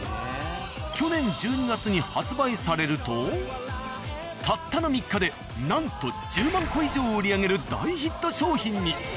去年１２月に発売されるとたったの３日でなんと１０万個以上を売り上げる大ヒット商品に。